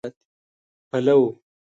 پلو